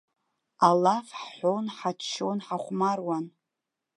Алаф ҳҳәон, ҳаччон, ҳахәмаруан.